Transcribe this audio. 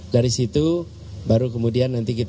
dari situ baru kemudian nanti kita